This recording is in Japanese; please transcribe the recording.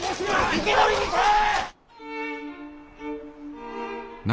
生け捕りにせい！